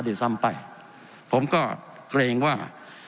ด้วยซ้ำไปผมก็เกรงว่า